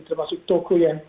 termasuk tokyo yang